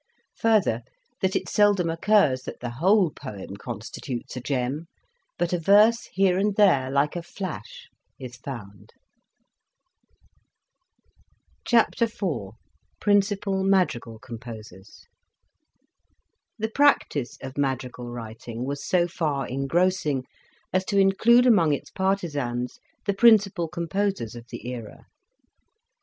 Further, that it seldom occurs that the whole poem constitutes a gem, but a verse here and there, like a flash, is found. CHAPTER IV 1 HE practice of madrigal writing was so far engrossing as to include amongst its partizans the principal composers of the era.